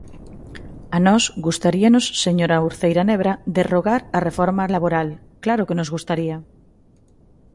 A nós gustaríanos, señora Uceira Nebra, derrogar a reforma laboral, ¡claro que nos gustaría!